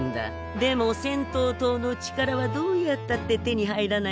でも先頭糖の力はどうやったって手に入らないんだよ。